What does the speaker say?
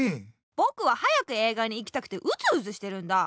ぼくは早く映画に行きたくてうずうずしてるんだ。